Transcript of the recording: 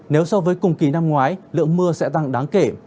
nếu so với cùng kỳ năm ngoái lượng mưa sẽ tăng đáng kể